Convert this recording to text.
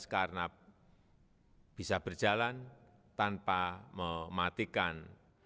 karena bisa berjalan tanpa mematikan